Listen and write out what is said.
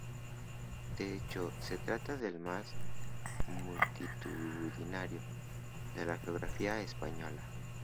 De hecho, se trata del más multitudinario de la geografía española.